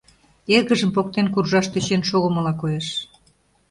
Эргыжым поктен куржаш тӧчен шогымыла коеш.